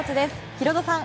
ヒロドさん